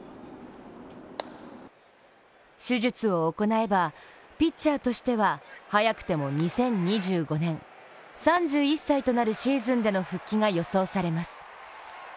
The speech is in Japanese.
手術を行えば、ピッチャーとしては早くても２０２５年３１歳となるシーズンでの復帰が予想されます。